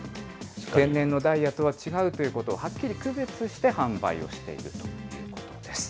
天然のダイヤとは違うということを、はっきり区別して販売をしているということです。